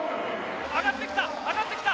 上がってきた！